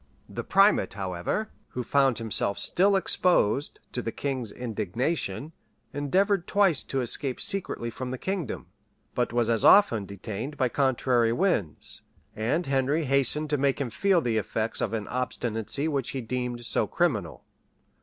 The primate, however, who found himself still exposed to the king's indignation, endeavored twice to escape secretly from the kingdom; but was as often detained by contrary winds: and Henry hastened to make him feel the effects of an obstinacy which he deemed so criminal.